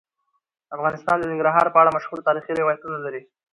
افغانستان د ننګرهار په اړه مشهور تاریخی روایتونه لري.